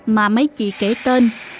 mà mấy chị kể tên